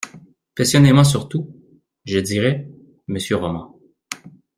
Passionnément surtout, je dirais, monsieur Roman.